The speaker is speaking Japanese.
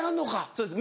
そうです